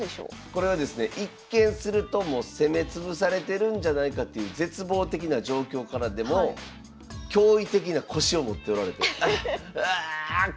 これはですね一見するともう攻め潰されてるんじゃないかという絶望的な状況からでも驚異的な腰を持っておられてうっ！